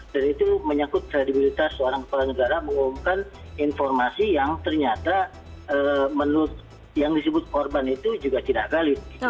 jadi itu menyangkut kredibilitas seorang kepala negara mengumumkan informasi yang ternyata menurut yang disebut korban itu juga tidak valid